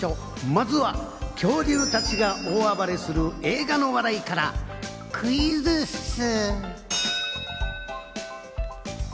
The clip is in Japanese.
まずは恐竜たちが大暴れする映画の話題からクイズッス！